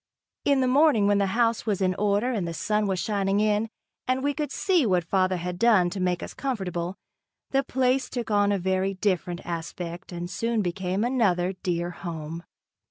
In the morning, when the house was in order and the sun was shining in, and we could see what father had done to make us comfortable, the place took on a very different aspect and soon became another dear home.